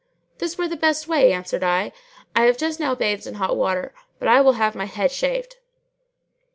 "This were the best way," answered I, "I have just now bathed in hot water, but I will have my head shaved."